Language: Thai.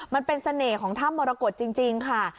มันเป็นเสน่ห์ของถ้ำมรกฏจริงค่ะ